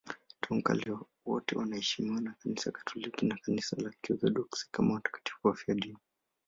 Tangu kale wote wanaheshimiwa na Kanisa Katoliki na Kanisa la Kiorthodoksi kama watakatifu wafiadini.